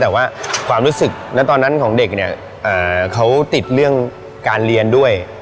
แต่ว่าความรู้สึกแล้วตอนนั้นของเด็กเนี่ยเขาติดเรื่องการเรียนด้วย